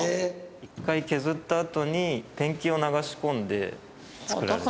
一回削ったあとにペンキを流し込んで作られてます。